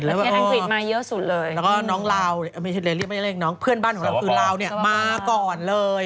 แล้วก็น้องเราเพื่อนบ้านของเราเรามาก่อนเลย๑๒๔